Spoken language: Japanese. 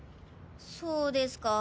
そうですか。